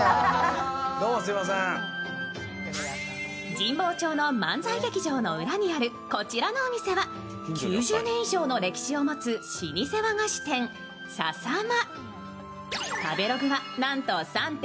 神保町の漫才劇場の裏にあるこちらのお店は９０年以上の歴史を持つ老舗和菓子屋ささま。